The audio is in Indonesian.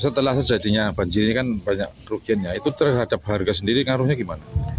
setelah terjadinya banjir ini kan banyak rugiannya itu terhadap harga sendiri ngaruhnya gimana